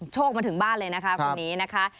โชคมาถึงบ้านเลยนะคะคนนี้นะคะ